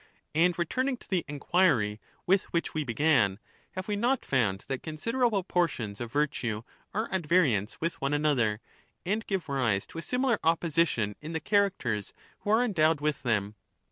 And returning to the enquiry with which we began, have we not found that considerable portions of virtue are at variance with one another, and give rise to a similar oppo sition in the characters who are endowed with them